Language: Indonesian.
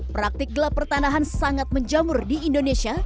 praktik gelap pertanahan sangat menjamur di indonesia